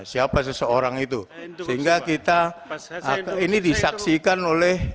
siapa seseorang itu sehingga kita ini disaksikan oleh